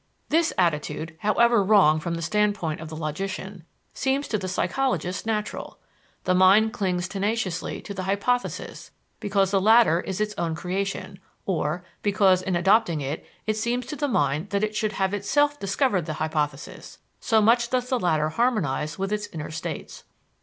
_ This attitude, however wrong from the standpoint of the logician, seems to the psychologist natural. The mind clings tenaciously to the hypothesis because the latter is its own creation, or, because in adopting it, it seems to the mind that it should have itself discovered the hypothesis, so much does the latter harmonize with its inner states.